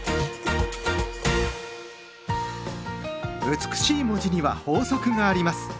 美しい文字には法則があります。